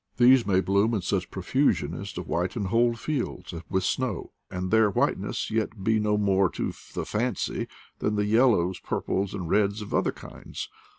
These may bloom in such profusion as to whiten whole fields, as with snow, and their white ness yet be no more to the fancy than the yellows. SNOW, AND QUALITY OF WHITENESS 111 purples, and reds of other kinds.